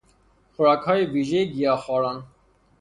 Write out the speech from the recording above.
خوراکهای ویژهی گیاهخواران